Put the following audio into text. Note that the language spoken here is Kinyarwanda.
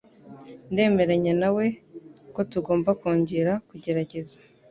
Ndemeranya nawe ko tugomba kongera kugerageza.